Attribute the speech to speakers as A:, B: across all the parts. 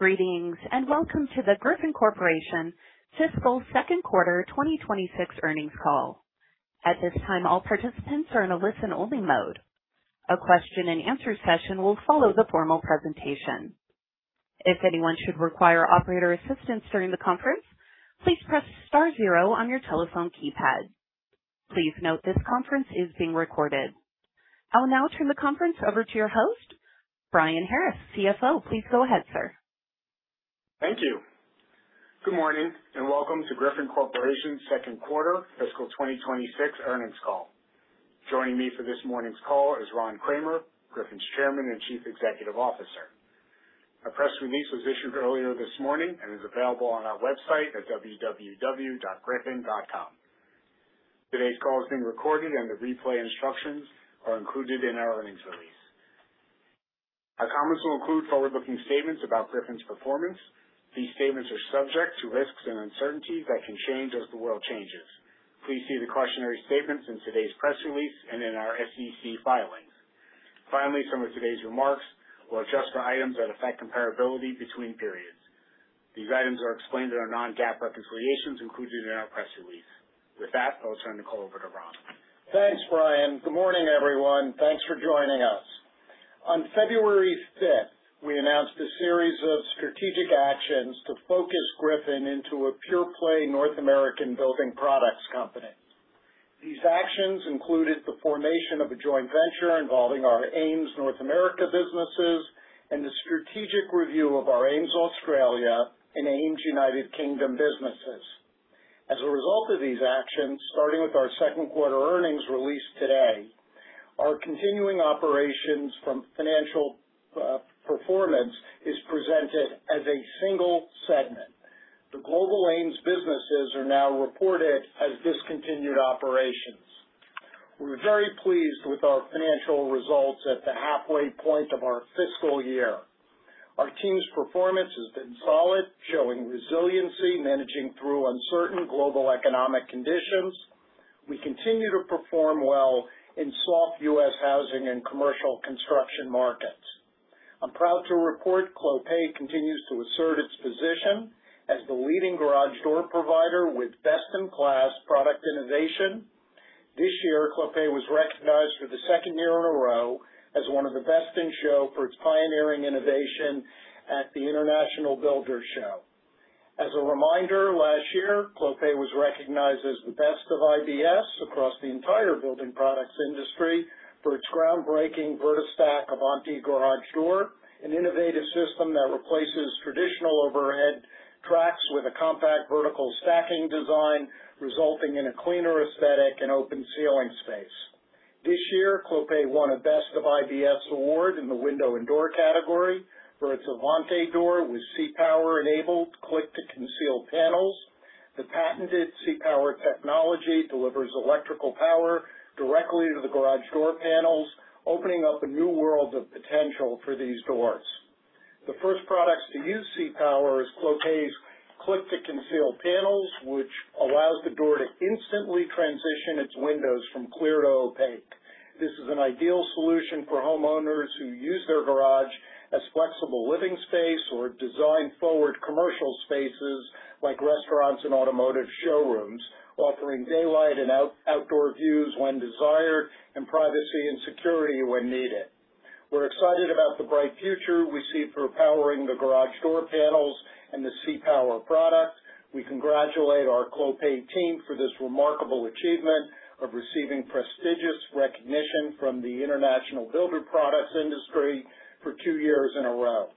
A: Greetings, welcome to the Griffon Corporation Fiscal Second Quarter 2026 earnings call. At this time, all participants are in a listen-only mode. A question and answer session will follow the formal presentation. If anyone should require operator assistance during the conference, please press star zero on your telephone keypad. Please note this conference is being recorded. I'll now turn the conference over to your host, Brian G. Harris, CFO. Please go ahead, sir.
B: Thank you. Good morning, and welcome to Griffon Corporation's second quarter fiscal 2026 earnings call. Joining me for this morning's call is Ron Kramer, Griffon's Chairman and Chief Executive Officer. A press release was issued earlier this morning and is available on our website at www.griffon.com. Today's call is being recorded, and the replay instructions are included in our earnings release. Our comments will include forward-looking statements about Griffon's performance. These statements are subject to risks and uncertainties that can change as the world changes. Please see the cautionary statements in today's press release and in our SEC filings. Finally, some of today's remarks will adjust for items that affect comparability between periods. These items are explained in our non-GAAP reconciliations included in our press release. With that, I'll turn the call over to Ronald J. Kramer.
C: Thanks, Brian. Good morning, everyone. Thanks for joining us. On February 5th, we announced a series of strategic actions to focus Griffon into a pure-play North American building products company. These actions included the formation of a joint venture involving our AMES North America businesses and the strategic review of our AMES Australia and AMES U.K. businesses. As a result of these actions, starting with our second quarter earnings released today, our continuing operations from financial performance is presented as a single segment. The global AMES businesses are now reported as discontinued operations. We're very pleased with our financial results at the halfway point of our fiscal year. Our team's performance has been solid, showing resiliency, managing through uncertain global economic conditions. We continue to perform well in soft U.S. housing and commercial construction markets. I'm proud to report Clopay continues to assert its position as the leading garage door provider with best-in-class product innovation. This year, Clopay was recognized for the second year in a row as one of the Best in Show for its pioneering innovation at the International Builders' Show. As a reminder, last year, Clopay was recognized as the best of IBS across the entire building products industry for its groundbreaking VertiStack Avante garage door, an innovative system that replaces traditional overhead tracks with a compact vertical stacking design, resulting in a cleaner aesthetic and open ceiling space. This year, Clopay won a Best of IBS award in the window and door category for its Avante door with C-Power enabled Click-to-Conceal panels. The patented C-Power technology delivers electrical power directly to the garage door panels, opening up a new world of potential for these doors. The first products to use C-Power is Clopay's Click-to-Conceal panels, which allows the door to instantly transition its windows from clear to opaque. This is an ideal solution for homeowners who use their garage as flexible living space or design forward commercial spaces like restaurants and automotive showrooms, offering daylight and outdoor views when desired and privacy and security when needed. We're excited about the bright future we see through powering the garage door panels and the C-Power product. We congratulate our Clopay team for this remarkable achievement of receiving prestigious recognition from the international builder products industry for two years in a row.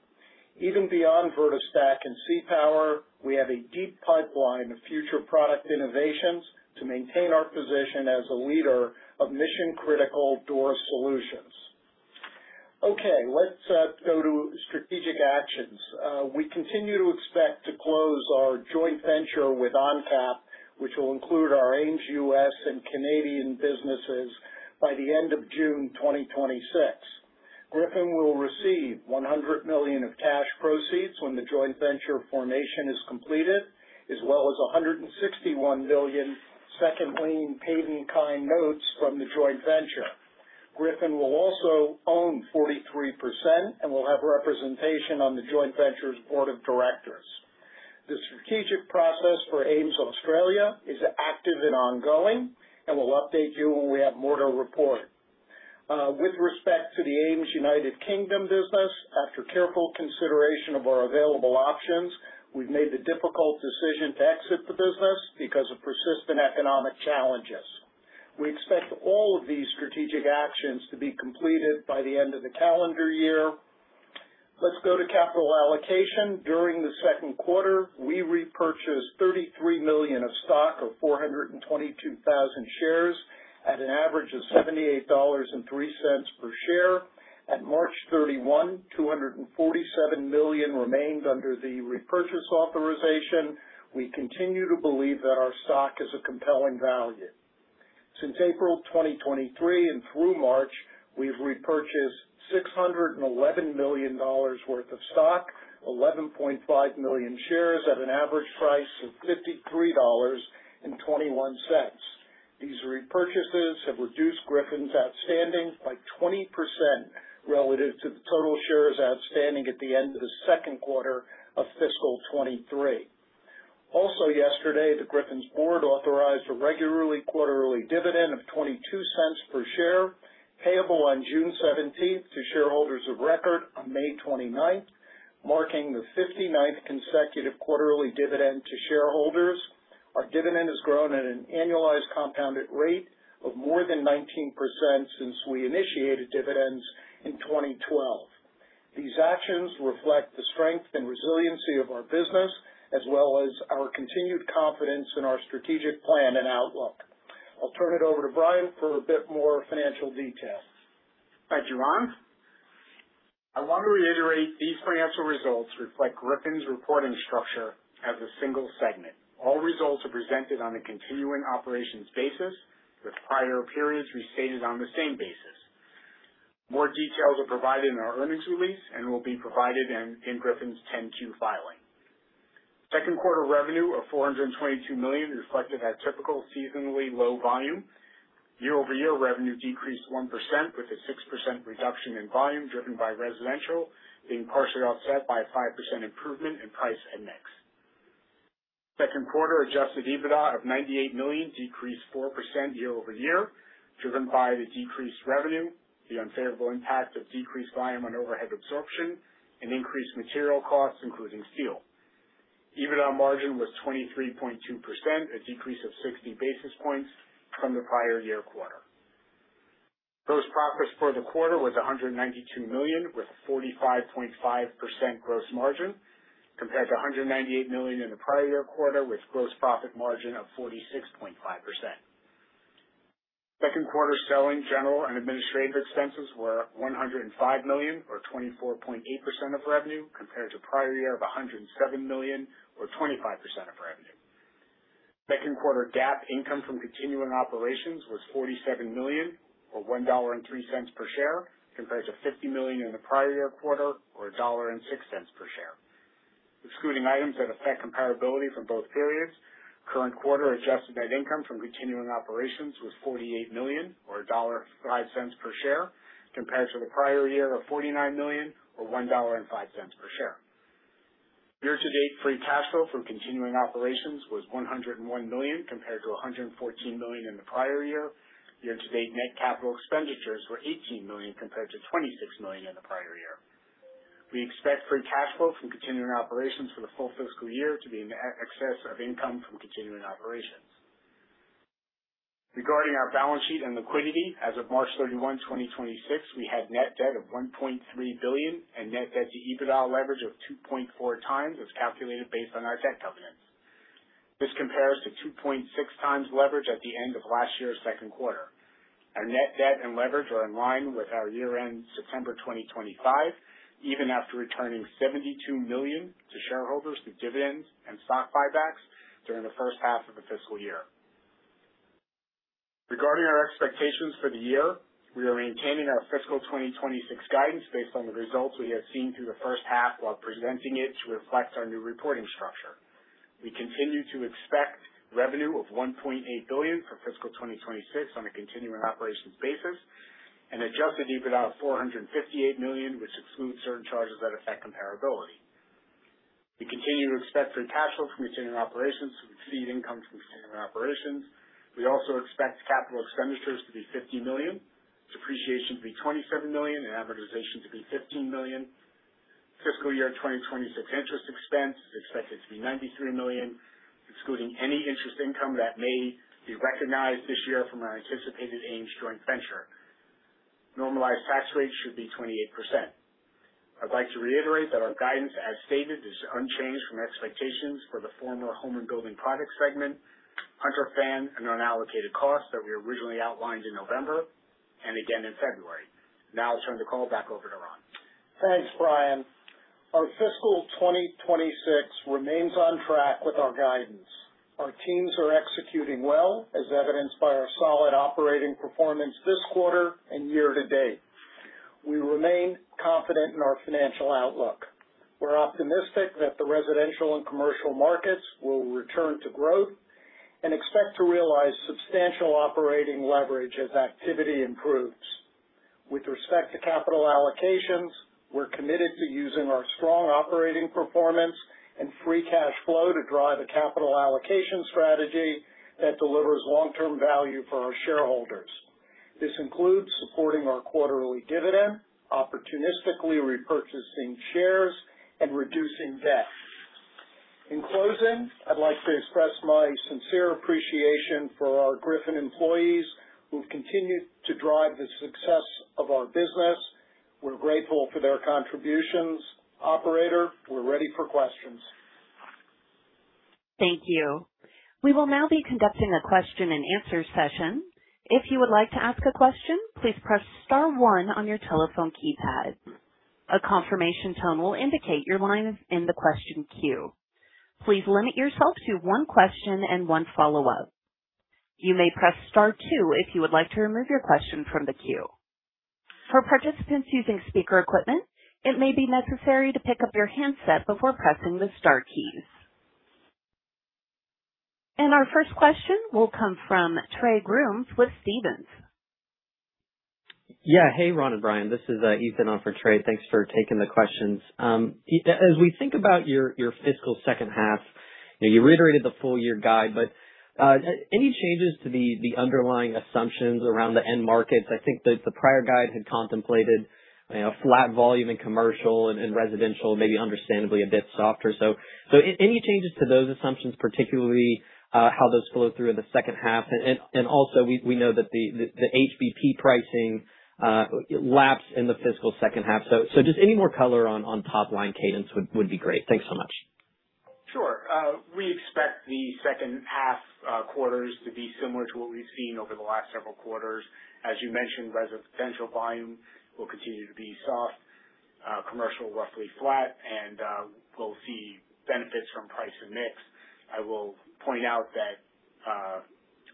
C: Even beyond VertiStack and C-Power, we have a deep pipeline of future product innovations to maintain our position as a leader of mission-critical door solutions. Okay. Let's go to strategic actions. We continue to expect to close our joint venture with ONCAP, which will include our AMES U.S. and Canadian businesses by the end of June 2026. Griffon will receive $100 million of cash proceeds when the joint venture formation is completed, as well as $161 million second lien pay-in-kind notes from the joint venture. Griffon will also own 43% and will have representation on the joint venture's board of directors. The strategic process for AMES Australia is active and ongoing, and we'll update you when we have more to report. With respect to the AMES United Kingdom business, after careful consideration of our available options, we've made the difficult decision to exit the business because of persistent economic challenges. We expect all of these strategic actions to be completed by the end of the calendar year. Let's go to capital allocation. During the second quarter, we repurchased $33 million of stock or 422,000 shares at an average of $78.03 per share. At March 31, $247 million remained under the repurchase authorization. We continue to believe that our stock is a compelling value. Since April 2023 and through March, we've repurchased $611 million worth of stock, 11.5 million shares at an average price of $53.21. These repurchases have reduced Griffon's outstanding by 20% relative to the total shares outstanding at the end of the second quarter of fiscal 2023. Yesterday, the Griffon's board authorized a regularly quarterly dividend of $0.22 per share, payable on June 17 to shareholders of record on May 29, marking the 59th consecutive quarterly dividend to shareholders. Our dividend has grown at an annualized compounded rate of more than 19% since we initiated dividends in 2012. These actions reflect the strength and resiliency of our business, as well as our continued confidence in our strategic plan and outlook. I'll turn it over to Brian for a bit more financial details.
B: Thank you, Ron. I want to reiterate, these financial results reflect Griffon's reporting structure as a single segment. All results are presented on a continuing operations basis, with prior periods restated on the same basis. More details are provided in our earnings release and will be provided in Griffon's 10-Q filing. Second quarter revenue of $422 million reflected a typical seasonally low volume. Year-over-year revenue decreased 1% with a 6% reduction in volume driven by residential, being partially offset by a 5% improvement in price and mix. Second quarter adjusted EBITDA of $98 million decreased 4% year-over-year, driven by the decreased revenue, the unfavorable impact of decreased volume on overhead absorption and increased material costs, including steel. EBITDA margin was 23.2%, a decrease of 60 basis points from the prior year quarter. Gross profits for the quarter was $192 million, with 45.5% gross margin, compared to $198 million in the prior year quarter, with gross profit margin of 46.5%. Second quarter selling, general, and administrative expenses were $105 million, or 24.8% of revenue, compared to prior year of $107 million or 25% of revenue. Second quarter GAAP income from continuing operations was $47 million or $1.03 per share, compared to $50 million in the prior year quarter or $1.06 per share. Excluding items that affect comparability from both periods, current quarter adjusted net income from continuing operations was $48 million or $1.05 per share, compared to the prior year of $49 million or $1.05 per share. Year-to-date free cash flow from continuing operations was $101 million compared to $114 million in the prior year. Year-to-date net capital expenditures were $18 million compared to $26 million in the prior year. We expect free cash flow from continuing operations for the full fiscal year to be in excess of income from continuing operations. Regarding our balance sheet and liquidity, as of March 31, 2026, we had net debt of $1.3 billion and net debt-to-EBITDA leverage of 2.4x as calculated based on our debt covenants. This compares to 2.6x leverage at the end of last year's second quarter. Our net debt and leverage are in line with our year-end September 2025, even after returning $72 million to shareholders through dividends and stock buybacks during the first half of the fiscal year. Regarding our expectations for the year, we are maintaining our fiscal 2026 guidance based on the results we have seen through the first half while presenting it to reflect our new reporting structure. We continue to expect revenue of $1.8 billion for fiscal 2026 on a continuing operations basis and adjusted EBITDA of $458 million, which excludes certain charges that affect comparability. We continue to expect free cash flow from continuing operations to exceed income from continuing operations. We also expect CapEx to be $50 million, depreciation to be $27 million, and amortization to be $15 million. Fiscal year 2026 interest expense is expected to be $93 million, excluding any interest income that may be recognized this year from our anticipated AMES joint venture. Normalized tax rate should be 28%. I'd like to reiterate that our guidance, as stated, is unchanged from expectations for the former Home and Building Products segment, Hunter Fan, and unallocated costs that we originally outlined in November and again in February. I'll turn the call back over to Ron.
C: Thanks, Brian. Our fiscal 2026 remains on track with our guidance. Our teams are executing well, as evidenced by our solid operating performance this quarter and year to date. We remain confident in our financial outlook. We're optimistic that the residential and commercial markets will return to growth and expect to realize substantial operating leverage as activity improves. With respect to capital allocations, we're committed to using our strong operating performance and free cash flow to drive a capital allocation strategy that delivers long-term value for our shareholders. This includes supporting our quarterly dividend, opportunistically repurchasing shares, and reducing debt. In closing, I'd like to express my sincere appreciation for our Griffon employees who've continued to drive the success of our business. We're grateful for their contributions. Operator, we're ready for questions.
A: Thank you. We will now be conducting a question and answer session. If you would like to ask a question, please press star one on your telephone keypad. A confirmation tone will indicate your line is in the question queue. Please limit yourself to one question and one follow-up. You may press star two if you would like to remove your question from the queue. For participants using speaker equipment, it may be necessary to pick up your handset before pressing the star keys. Our first question will come from Trey Grooms with Stephens.
D: Hey, Ron and Brian. This is Ethan on for Trey. Thanks for taking the questions. As we think about your fiscal second half, you reiterated the full year guide, any changes to the underlying assumptions around the end markets? I think that the prior guide had contemplated, you know, flat volume in commercial and residential, maybe understandably a bit softer. Any changes to those assumptions, particularly how those flow through in the second half? Also we know that the HBP pricing lapse in the fiscal second half. Just any more color on top line cadence would be great. Thanks so much.
B: Sure. We expect the second half quarters to be similar to what we've seen over the last several quarters. As you mentioned, residential volume will continue to be soft, commercial roughly flat, and we'll see benefits from price and mix. I will point out that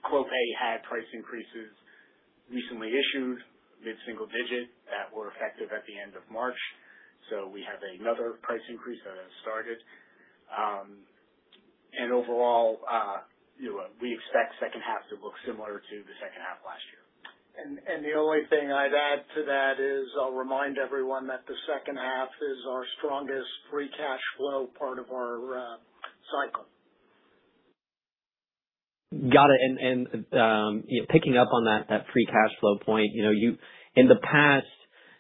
B: Clopay had price increases recently issued mid-single digit that were effective at the end of March. We have another price increase that has started. Overall, you know, we expect second half to look similar to the second half last year.
C: The only thing I'd add to that is I'll remind everyone that the second half is our strongest free cash flow part of our cycle.
D: Got it. You know, picking up on that free cash flow point. You know, in the past,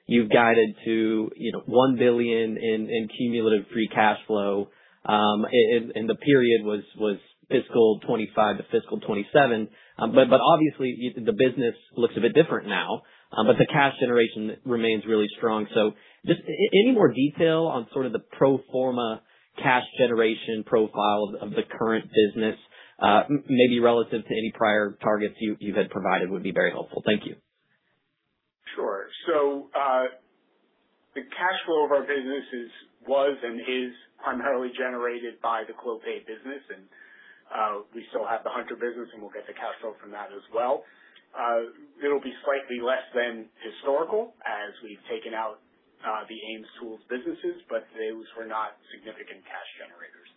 D: you've guided to, you know, $1 billion in cumulative free cash flow. The period was fiscal 2025 to fiscal 2027. Obviously the business looks a bit different now. The cash generation remains really strong. Just any more detail on sort of the pro forma cash generation profile of the current business, maybe relative to any prior targets you had provided would be very helpful. Thank you.
B: Sure. The cash flow of our businesses was and is primarily generated by the Clopay business. We still have the Hunter business, and we'll get the cash flow from that as well. It'll be slightly less than historical as we've taken out, the AMES tools businesses, but those were not significant cash generators.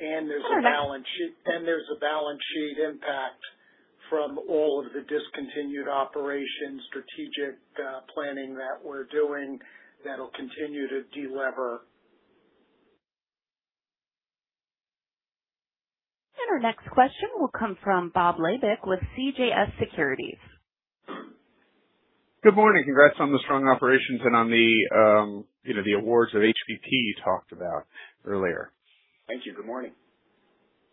C: There's a balance sheet impact from all of the discontinued operations, strategic planning that we're doing that'll continue to de-lever.
A: Our next question will come from Bob Labick with CJS Securities.
E: Good morning. Congrats on the strong operations and on the, you know, the awards that HBP talked about earlier.
B: Thank you. Good morning.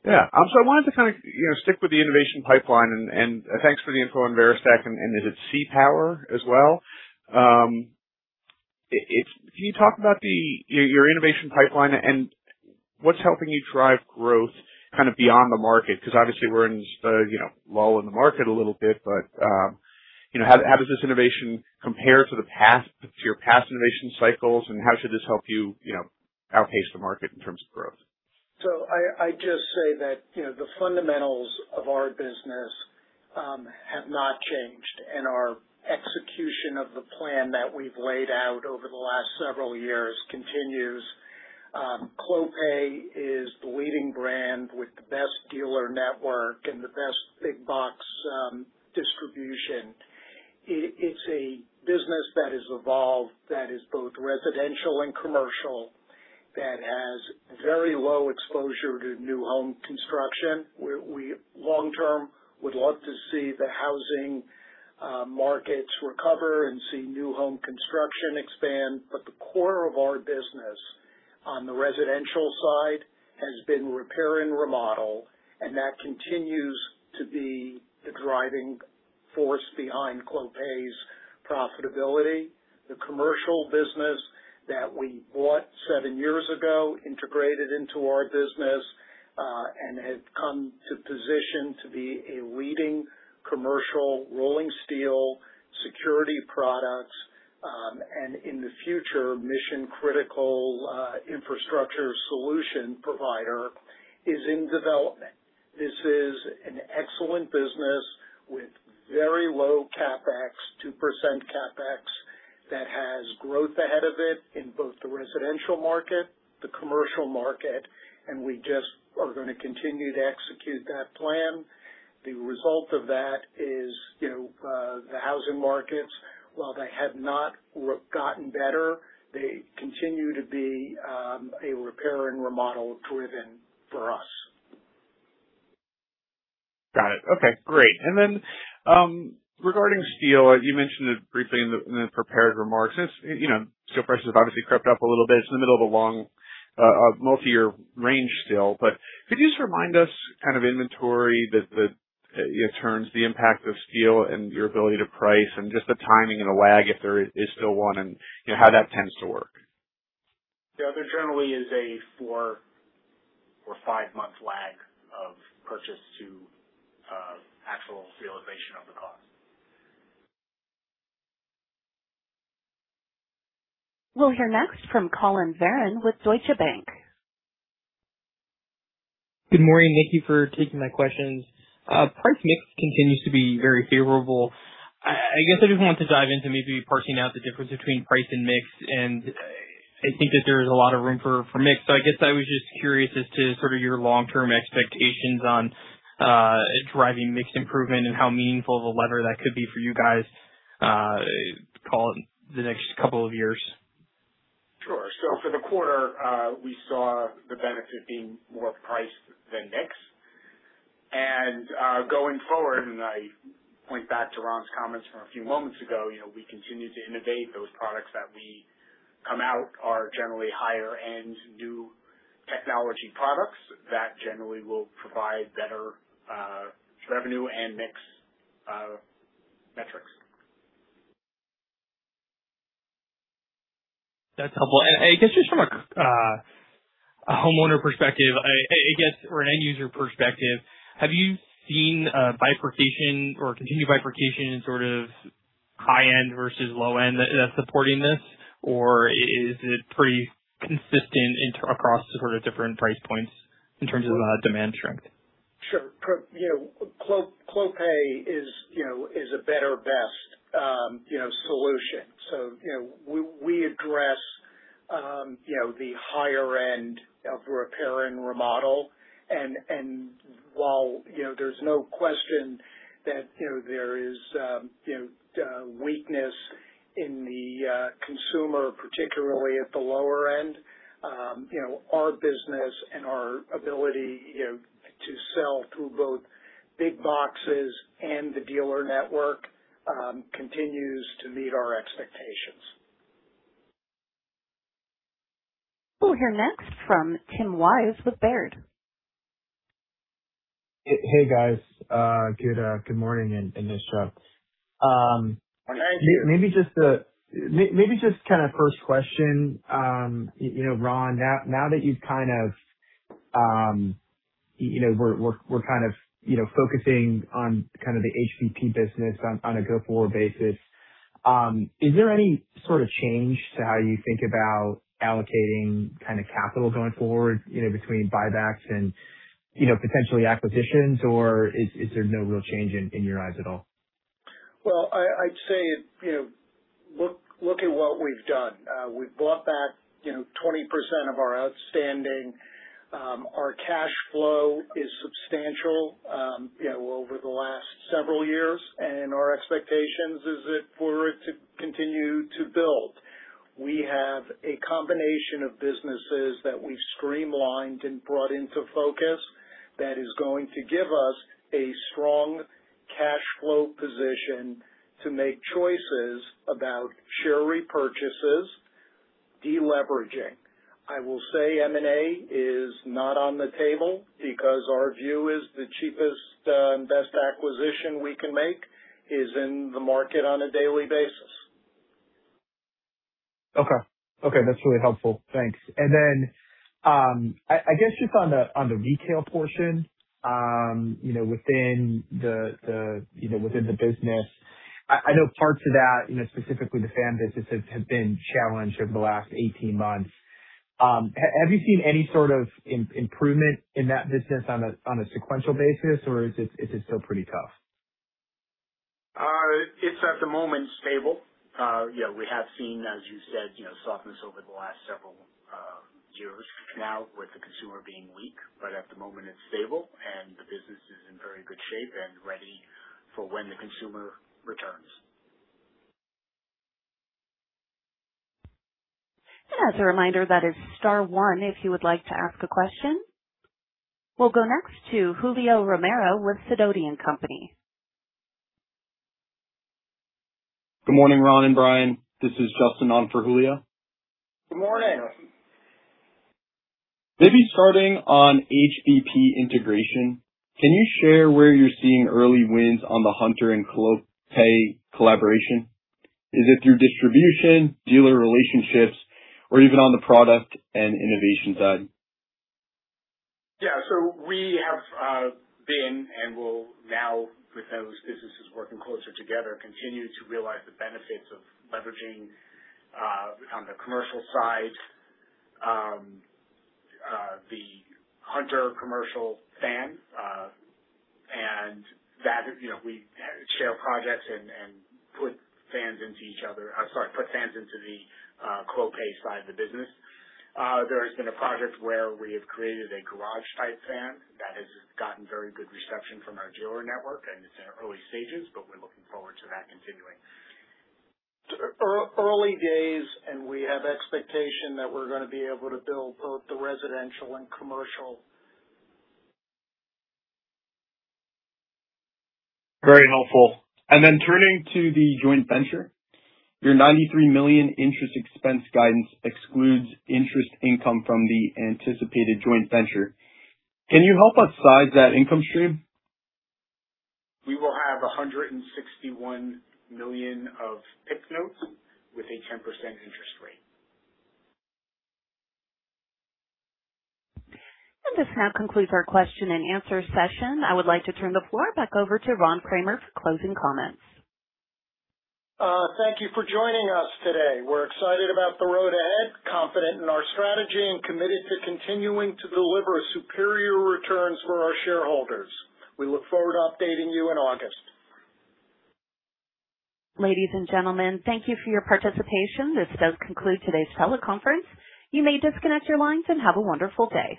E: I wanted to kind of, you know, stick with the innovation pipeline and thanks for the info on VertiStack and is it C-Power as well? Can you talk about the, your innovation pipeline and what's helping you drive growth kind of beyond the market? Obviously we're in this, you know, lull in the market a little bit. You know, how does this innovation compare to the past, to your past innovation cycles? How should this help you know, outpace the market in terms of growth?
C: I just say that, you know, the fundamentals of our business have not changed. Our execution of the plan that we've laid out over the last several years continues. Clopay is the leading brand with the best dealer network and the best big box distribution. It's a business that has evolved that is both residential and commercial, that has very low exposure to new home construction. We long term would love to see the housing markets recover and see new home construction expand. The core of our business on the residential side has been repair and remodel, and that continues to be the driving force behind Clopay's profitability. The commercial business that we bought seven years ago integrated into our business and has come to position to be a leading commercial rolling steel security products, and in the future, mission critical infrastructure solution provider is in development. This is an excellent business with very low CapEx, 2% CapEx, that has growth ahead of it in both the residential market, the commercial market, and we just are gonna continue to execute that plan. The result of that is, you know, the housing markets, while they have not gotten better, they continue to be a repair and remodel driven for us.
E: Got it. Okay, great. Regarding steel, you mentioned it briefly in the prepared remarks. It's, you know, steel prices have obviously crept up a little bit. It's in the middle of a long multi-year range still. Could you just remind us kind of inventory turns, the impact of steel and your ability to price and just the timing and the lag, if there is still one, and you know how that tends to work?
B: Yeah. There generally is a four or five-month lag of purchase to actual realization of the cost.
A: We'll hear next from Collin Verron with Deutsche Bank.
F: Good morning. Thank you for taking my questions. Price mix continues to be very favorable. I guess I just want to dive into maybe parsing out the difference between price and mix, and I think that there is a lot of room for mix. I guess I was just curious as to sort of your long-term expectations on driving mix improvement and how meaningful of a lever that could be for you guys, call it the next couple years.
B: Sure. For the quarter, we saw the benefit being more price than mix. Going forward, I point back to Ron's comments from a few moments ago, you know, we continue to innovate. Those products that we come out are generally higher-end new technology products that generally will provide better revenue and mix metrics.
F: That's helpful. I guess just from a homeowner perspective, I guess or an end user perspective, have you seen a bifurcation or continued bifurcation in sort of high end versus low end that's supporting this? Is it pretty consistent across the sort of different price points in terms of demand strength?
C: Sure. You know, Clopay is, you know, is a better, best, you know, solution. You know, we address, you know, the higher end of repair and remodel. While, you know, there's no question that, you know, there is, you know, weakness in the consumer, particularly at the lower end, you know, our business and our ability, you know, to sell through both big boxes and the dealer network, continues to meet our expectations.
A: We'll hear next from Tim Wojs with Baird.
G: Hey, guys. Good morning and Nishita.
C: Good morning.
G: Maybe just kind of first question. You know, Ron, now that you've kind of, you know, we're kind of, you know, focusing on kind of the HBP business on a go-forward basis, is there any sort of change to how you think about allocating kind of capital going forward, you know, between buybacks and, you know, potentially acquisitions? Or is there no real change in your eyes at all?
C: Well, I'd say, you know, look at what we've done. We've bought back 20% of our outstanding. Our cash flow is substantial over the last several years, and our expectations is that for it to continue to build. We have a combination of businesses that we've streamlined and brought into focus that is going to give us a strong cash flow position to make choices about share repurchases, de-leveraging. I will say M&A is not on the table because our view is the cheapest and best acquisition we can make is in the market on a daily basis.
G: Okay. Okay, that's really helpful. Thanks. Then, I guess just on the retail portion, you know, within the, you know, within the business, I know parts of that, you know, specifically the fan business has been challenged over the last 18 months. Have you seen any sort of improvement in that business on a sequential basis, or is it still pretty tough?
C: It's at the moment stable. You know, we have seen, as you said, you know, softness over the last several years now with the consumer being weak. At the moment it's stable, and the business is in very good shape and ready for when the consumer returns.
A: As a reminder, that is star one if you would like to ask a question. We'll go next to Julio Romero with Sidoti & Company.
H: Good morning, Ron and Brian. This is Justin on for Julio.
C: Good morning.
H: Starting on HBP integration. Can you share where you're seeing early wins on the Hunter and Clopay collaboration? Is it through distribution, dealer relationships or even on the product and innovation side?
C: We have been and will now with those businesses working closer together, continue to realize the benefits of leveraging on the commercial side, the Hunter commercial fan, and that is, you know, we share projects and put fans into each other. Sorry, put fans into the Clopay side of the business. There has been a project where we have created a garage type fan that has gotten very good reception from our dealer network, and it's in early stages, but we're looking forward to that continuing. Early days, we have expectation that we're gonna be able to build both the residential and commercial.
H: Very helpful. Turning to the joint venture, your $93 million interest expense guidance excludes interest income from the anticipated joint venture. Can you help us size that income stream?
C: We will have $161 million of PIK notes with a 10% interest rate.
A: This now concludes our question and answer session. I would like to turn the floor back over to Ron Kramer for closing comments.
C: Thank you for joining us today. We're excited about the road ahead, confident in our strategy, and committed to continuing to deliver superior returns for our shareholders. We look forward to updating you in August.
A: Ladies and gentlemen, thank you for your participation. This does conclude today's teleconference. You may disconnect your lines and have a wonderful day.